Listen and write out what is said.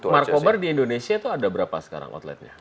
markobar di indonesia itu ada berapa sekarang outletnya